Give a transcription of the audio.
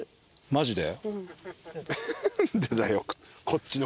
マジで？